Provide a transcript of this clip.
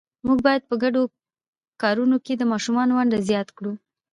موږ باید په ګډو کارونو کې د ماشومانو ونډه زیات کړو